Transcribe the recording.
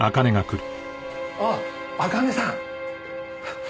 あっ茜さん。